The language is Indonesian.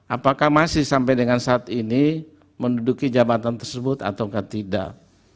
apakah masih sampai dengan saat ini menduduki jabatan tersebut atau tidak